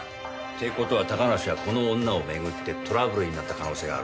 って事は高梨はこの女をめぐってトラブルになった可能性があるな。